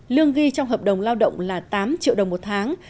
lương ghi trong hợp đồng lao động là tám triệu đồng một tháng